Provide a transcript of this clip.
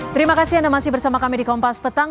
terima kasih anda masih bersama kami di kompas petang